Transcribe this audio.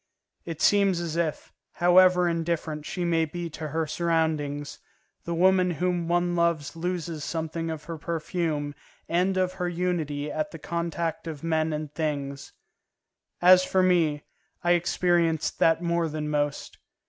It seems as if, however indifferent she may be to her surroundings, the woman whom one loves loses something of her perfume and of her unity at the contact of men and things. As for me, I experienced that more than most.